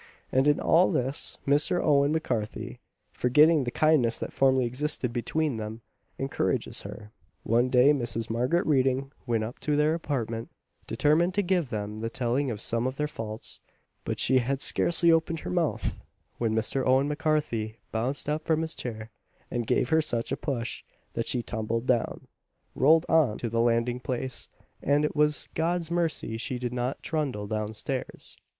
and in all this Mr. Owen M'Carthy, forgetting the kindness that formerly existed between them, encourages her. One day Mrs. Margaret Reading went up to their apartment, determined to give them the telling of some of their faults; but she had scarcely opened her mouth, when Mr. Owen M'Carthy bounced up from his chair, and gave her such a push, that she tumbled down, rolled on to the landing place, and it was God's mercy she did not trundle downstairs.